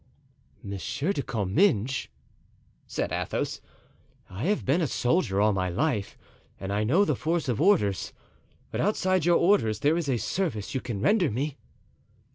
"Monsieur de Comminges," said Athos, "I have been a soldier all my life and I know the force of orders; but outside your orders there is a service you can render me."